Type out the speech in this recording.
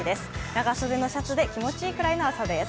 長袖のシャツで気持ちいいくらいの朝です。